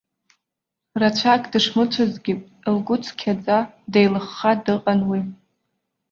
Рацәак дышмыцәазгьы, лгәы цқьаӡа, деилыхха дыҟан уи.